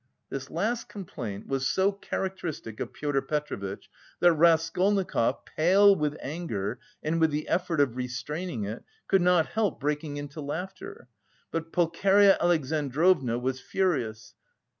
This last complaint was so characteristic of Pyotr Petrovitch, that Raskolnikov, pale with anger and with the effort of restraining it, could not help breaking into laughter. But Pulcheria Alexandrovna was furious.